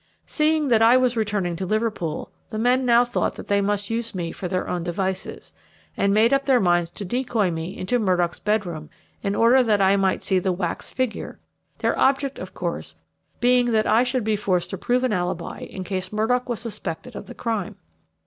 Seeing that I was returning to Liverpool, the men now thought that they would use me for their own devices, and made up their minds to decoy me into Murdock's bedroom in order that I might see the wax figure, their object, of course, being that I should be forced to prove an alibi in case Murdock was suspected of the crime.